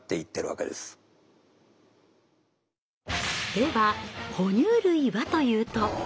では哺乳類はというと。